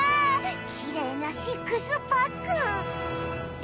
きれいなシックスパックり